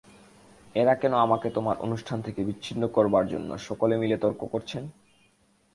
এঁরা কেন আমাকে তোমার অনুষ্ঠান থেকে বিচ্ছিন্ন করবার জন্যে সকলে মিলে তর্ক করছেন?